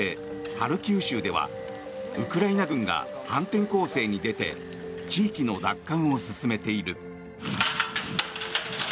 ハルキウ州ではウクライナ軍が反転攻勢に出て地域の奪還を進めている。